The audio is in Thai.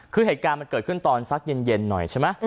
คือเหตุการณ์มันเกิดขึ้นตอนสักเย็นหน่อยใช่ไหม